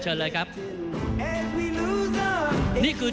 ท่านแรกครับจันทรุ่ม